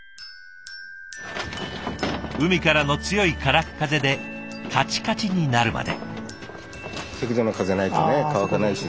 海からの強い空っ風でカチカチになるまで。